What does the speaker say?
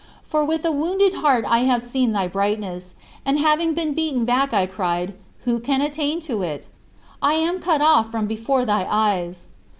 For with a wounded heart I have seen thy brightness, and having been beaten back I cried: "Who can attain to it? I am cut off from before thy eyes."